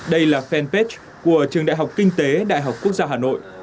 đây là fanpage của trường đại học kinh tế đại học quốc gia hà nội